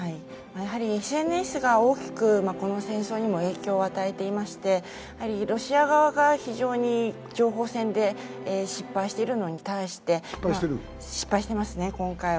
ＳＮＳが大きくこの戦争にも影響を与えていまして、ロシア側が非常に情報戦で失敗しているのに対して今回は失敗してますね。